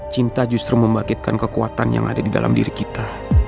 cinta justru membangkitkan kekuatan yang ada di dalam diri kita